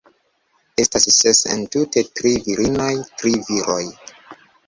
Estas ses entute tri virinoj, tri viroj